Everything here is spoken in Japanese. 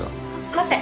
待って。